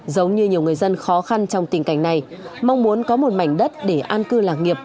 giống như nhiều người dân khó khăn trong tình cảnh này mong muốn có một mảnh đất để an cư lạc nghiệp